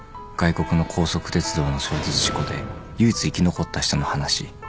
外国の高速鉄道の衝突事故で唯一生き残った人の話。